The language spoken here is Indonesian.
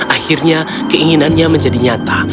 akhirnya keinginannya menjadi nyata